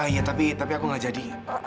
iya tapi tapi aku nggak jadi